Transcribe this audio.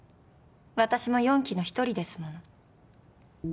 私も四鬼の一人ですもの。